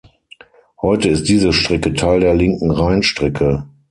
Heute ist diese Strecke Teil der Linken Rheinstrecke.